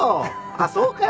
あっそうか。